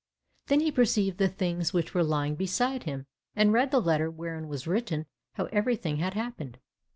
Then he perceived the things which were lying beside him, and read the letter wherein was written how everything had happened.